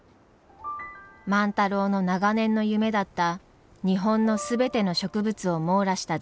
万太郎の長年の夢だった日本の全ての植物を網羅した図鑑。